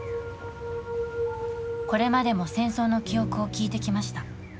これまでも戦争の記憶を聞いてきました。